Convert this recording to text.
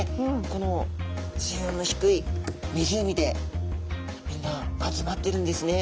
この水温の低い湖でみんな集まってるんですね。